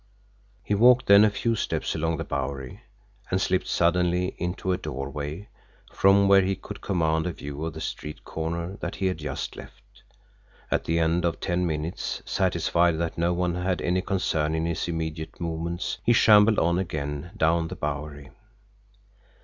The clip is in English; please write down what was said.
He walked then a few steps along the Bowery and slipped suddenly into a doorway, from where he could command a view of the street corner that he had just left. At the end of ten minutes, satisfied that no one had any concern in his immediate movements, he shambled on again down the Bowery.